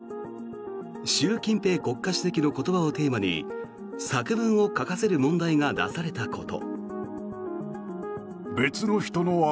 今回、話題となったのが習近平国家主席の言葉をテーマに作文を書かせる問題が出されたこと。